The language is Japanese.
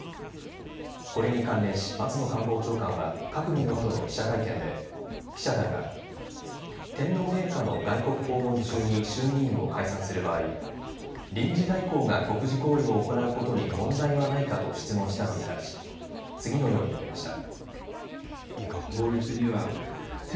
これに関連し松野官房長官は閣議のあとの記者会見で記者団が天皇陛下の外国訪問中に衆議院を解散する場合、臨時代行が国事行為を行うことに問題はないかと質問したのに対し次のように述べました。